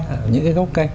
ở những cái gốc cây